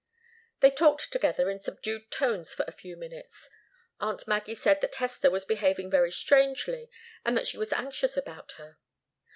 They talked together in subdued tones for a few minutes. Aunt Maggie said that Hester was behaving very strangely, and that she was anxious about her.